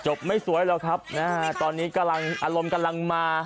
จบไม่สวยหรอกครับตอนนี้อารมณ์กำลังมา